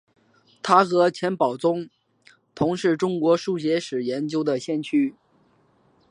他和钱宝琮同是中国数学史研究的先驱。